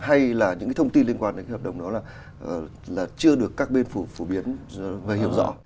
hay là những cái thông tin liên quan đến cái hợp đồng đó là chưa được các bên phổ biến và hiểu rõ